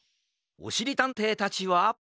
おしりたんていたちは？